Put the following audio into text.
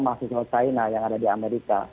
mahasiswa china yang ada di amerika